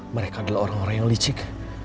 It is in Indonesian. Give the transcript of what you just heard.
mereka adalah orang orang yang licik